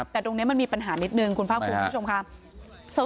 แต่ตรงนี้มันมีปัญหานิดนึงคุณภาคภูมิคุณผู้ชมค่ะ